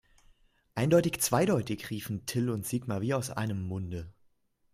Eindeutig zweideutig, riefen Till und Sigmar wie aus einem Munde.